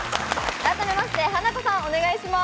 改めましてハナコさん、お願いします。